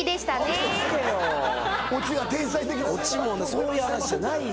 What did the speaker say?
そういう話じゃないじゃん。